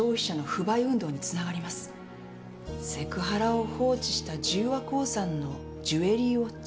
セクハラを放置した十和興産のジュエリーウオッチ。